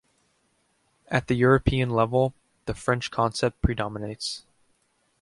At the European level, the French concept predominates.